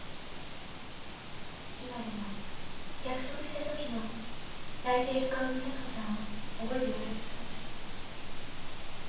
今でも約束した時の泣いている顔の佐藤さんを覚えておられるそうです。